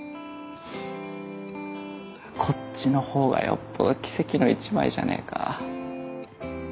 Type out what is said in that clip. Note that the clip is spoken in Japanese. こっちのほうがよっぽど奇跡の一枚じゃねえか。